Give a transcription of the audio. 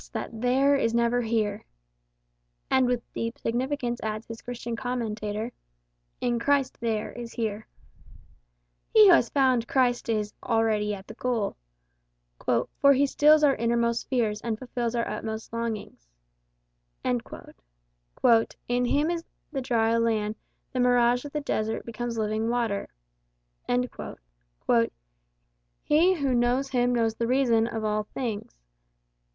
that there is never here." And with deep significance adds his Christian commentator, "In Christ there is here." He who has found Christ "is already at the goal." "For he stills our innermost fears, and fulfils our utmost longings." "In him the dry land, the mirage of the desert, becomes living water." "He who knows him knows the reason of all things."